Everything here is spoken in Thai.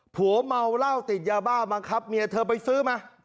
ผัวเมาเหล้าติดยาบ้าบังคับเมียเธอไปซื้อมา